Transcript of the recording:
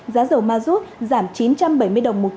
giá dầu mazut giảm một một trăm linh đồng một lít